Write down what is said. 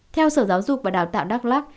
theo sở giáo dục và đào tạo đắk lắc